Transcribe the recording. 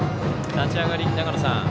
立ち上がり、長野さん